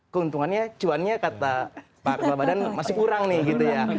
keuntungannya cuannya kata pak kepala badan masih kurang nih gitu ya